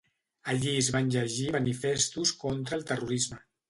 Allí es van llegir manifestos contra el terrorisme.